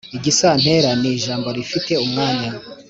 Igisantera ni ijambo rifite umwanya